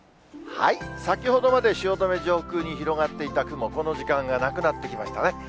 先ほどまで汐留上空に広がっていた雲、この時間はなくなってきましたね。